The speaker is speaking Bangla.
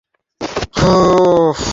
পূর্বেই বলেছি কুমুদিনীর মন একালের ছাঁচে নয়।